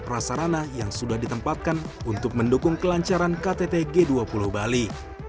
prasarana yang sudah ditempatkan untuk mendukung kelancaran ktt g dua puluh bali